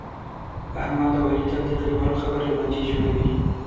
احمد اوعلي تل د کلیوالو خبرې او لانجې جوړوي.